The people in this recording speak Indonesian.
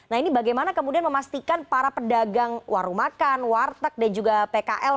nah ini bagaimana kemudian memastikan para pedagang warung makan warteg dan juga pkl